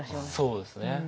そうですね。